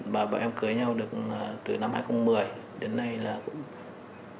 và bọn em cưới nhau được từ năm hai nghìn một mươi đến nay là gần chín năm rồi